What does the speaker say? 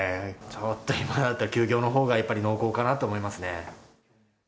ちょっと今だったら、休業のほうがやっぱり濃厚かなと思いますね。